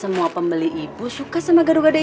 semua pembeli ibu suka sama gadu gadu ibu